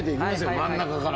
真ん中から。